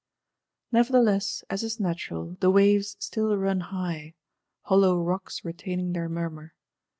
Nevertheless, as is natural, the waves still run high, hollow rocks retaining their murmur.